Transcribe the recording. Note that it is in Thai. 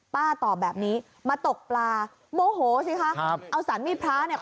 ป้าตอบแบบนี้มาตกปลาโมโหสิคะเอาสันมีดพระเนี่ย